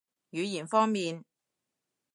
語言方面